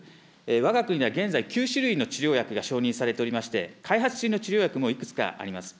わが国では現在、９種類の治療薬が承認されておりまして、開発中の治療薬もいくつかあります。